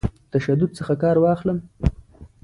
تشدد څخه کار واخلم.